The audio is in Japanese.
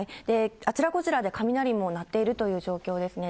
あちらこちらで雷も鳴っているという状況ですね。